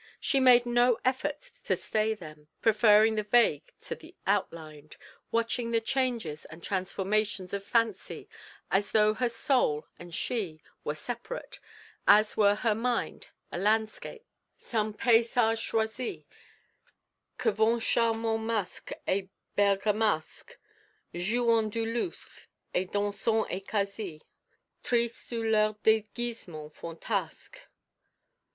She made no effort to stay them, preferring the vague to the outlined, watching the changes and transformations of fancy as though her soul and she were separate, as were her mind a landscape, some Paysage choisi, Que vont charmant masques et bergamasques Jouant du luth et dansant et quasi Tristes sous leurs déguisements fantasques.